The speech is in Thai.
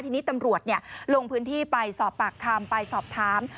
ทีนี้ตำรวจลงพื้นที่ไปสอบปากคำไปสอบถาม